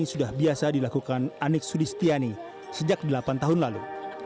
sudah biasa dilakukan anik sudistiani sejak delapan tahun lalu